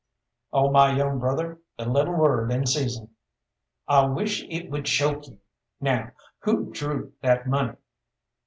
"Oh, my young brother, the little word in season " "I wish it would choke you. Now who drew that money?"